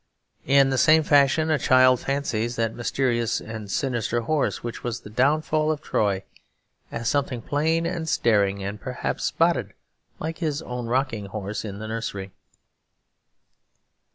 In the same fashion a child fancies that mysterious and sinister horse, which was the downfall of Troy, as something plain and staring, and perhaps spotted, like his own rocking horse in the nursery.